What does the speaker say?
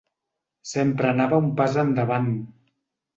Sempre anava un pas endavant.